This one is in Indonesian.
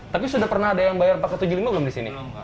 tapi sudah pernah ada yang bayar pakai tujuh puluh lima belum di sini